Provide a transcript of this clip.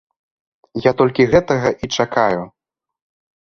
Я толькі гэтага і чакаю!